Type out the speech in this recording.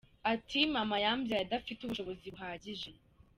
Ati “ Maama yambyaye adafite ubushobozi buhagije.